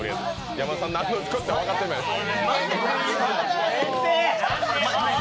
山田さん何のこっちゃ分かってないです。